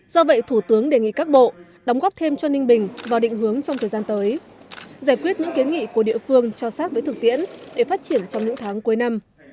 do vậy thủ tướng đề nghị các bộ đóng góp thêm cho ninh bình vào định hướng trong thời gian tới giải quyết những kiến nghị của địa phương cho sát với thực tiễn để phát triển trong những tháng cuối năm